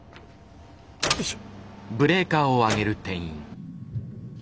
よいしょ。